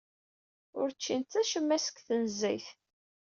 Ur ččint acemma seg tnezzayt.